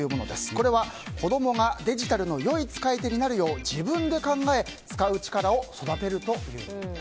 これは子供がデジタルの良い使い手になるよう自分で考えて使う力を育てるということです。